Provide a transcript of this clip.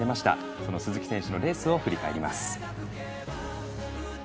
その鈴木選手のレースを振り返ります。